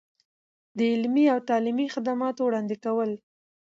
د علمي او تعلیمي خدماتو وړاندې کول.